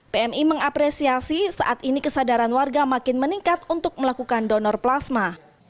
pmi mengapresiasi saat ini kesadaran warga makin meningkat untuk melakukan donor plasma